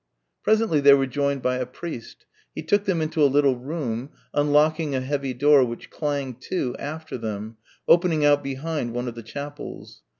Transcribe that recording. Presently they were joined by a priest. He took them into a little room, unlocking a heavy door which clanged to after them, opening out behind one of the chapels.